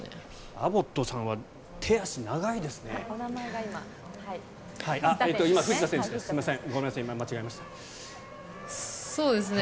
アボットさんは手足、長いですね。